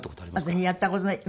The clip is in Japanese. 私やった事ない。